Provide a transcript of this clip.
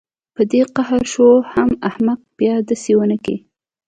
دى په قهر شو حم احمقه بيا دسې ونکې.